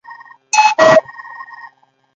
ځکه نو یوې داسې ډډې ته تګ او سفر کول.